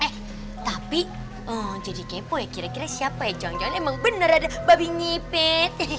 eh tapi oh jadi kepo ya kira kira siapa ya jangan jangan emang bener ada babi nyipin